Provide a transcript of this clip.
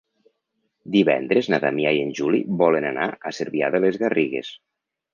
Divendres na Damià i en Juli volen anar a Cervià de les Garrigues.